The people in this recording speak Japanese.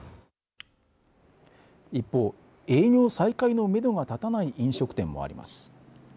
一方、営業再開のめどが立たない飲食店もあります。